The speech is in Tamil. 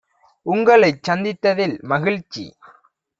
உங்களைச் சந்தித்ததில் மகிழ்ச்சி!